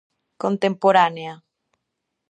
Contemporánea.